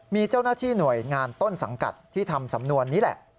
มีเจ้าหน้าที่หน่วยงานต้นสังกัดที่ทำสำนวนนี้แหละ